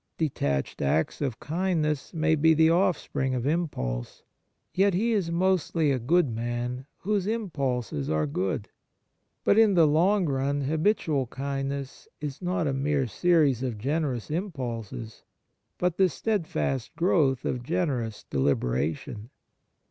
Detached acts of kindness may be the offspring of impulse. Yet he is mostly a good man whose im pulses~ are good. But in the long run habitual kindness is not a mere series of generous impulses, but the steadfast growth of generous deliberation.